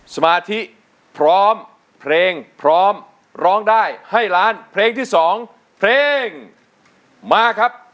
สมาธิพร้อมเพลงพร้อมร้องได้ให้ล้านเพลงที่๒เพลงมาครับ